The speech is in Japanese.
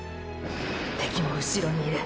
敵もうしろにいる。